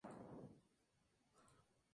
Bajo ambos el micrófono incorporado.